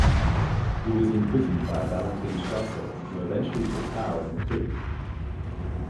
He was imprisoned by Valentine Strasser, who eventually took power in the coup.